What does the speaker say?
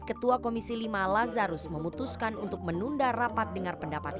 ketua komisi lima lazarus memutuskan untuk menunda rapat dengar pendapat